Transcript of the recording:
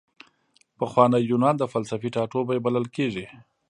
پخوانی یونان د فلسفې ټاټوبی بلل کیږي.